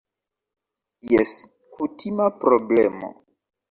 Jes, kutima problemo